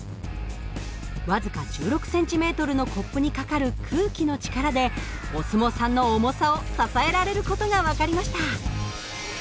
僅か１６ｃｍのコップにかかる空気の力でお相撲さんの重さを支えられる事が分かりました。